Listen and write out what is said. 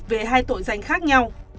về hai tội danh khác nhau